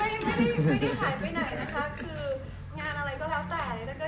ไม่ได้หายไปไหนนะคะคืองานอะไรก็แล้วแต่ดีต้าก็ยังอยากรับงานปกตินะคะ